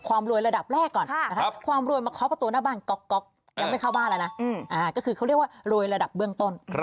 ความรวยระดับแรกก่อนความรวยมาคอปตัวหน้าบ้านก็คือรวยระดับเบื้องต้น